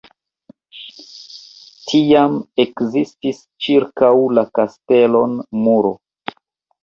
Tiam ekzistis ĉirkaŭ la kastelon muro.